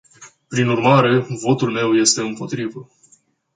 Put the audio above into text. Prin urmare, votul meu este împotrivă.